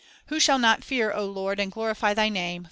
Who shall not fear, O Lord, and glorify Thy name?